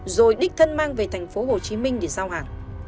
rồi đích thân mang về tp hcm để giao hàng